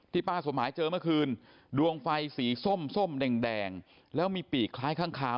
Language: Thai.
ป้าสมหมายเจอเมื่อคืนดวงไฟสีส้มส้มแดงแล้วมีปีกคล้ายข้างคาว